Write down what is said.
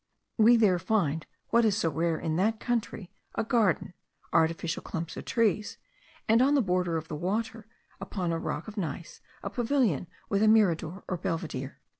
We there find, what is so rare in that country, a garden, artificial clumps of trees, and on the border of the water, upon a rock of gneiss, a pavilion with a mirador, or belvidere.